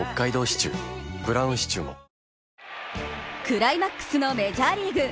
クライマックスのメジャーリーグ。